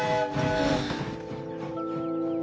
はあ。